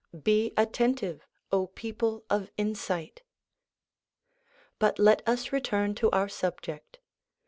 ' Be attentive, O people of insight.' But let us return to our subject.